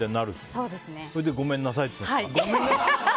それでごめんなさいって言った。